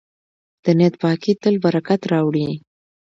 د نیت پاکي تل برکت راوړي.